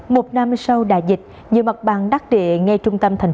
một năm sau đại dịch nhiều mặt bàn đắc địa ngay trung tâm tp hcm